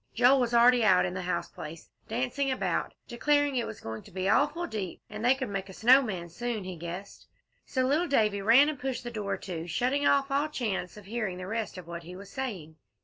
Joel was already out in the house place, dancing about, declaring it was going to be awful deep, and they could make a snow man soon, he guessed; so little Davie ran and pushed to the door, shutting off all chance of hearing the rest of what he was saying.